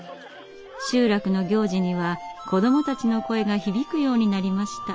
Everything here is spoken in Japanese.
集落の行事には子どもたちの声が響くようになりました。